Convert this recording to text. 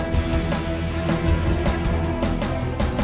di mana ke helan motornya pak